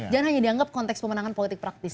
jangan hanya dianggap konteks pemenangan politik praktis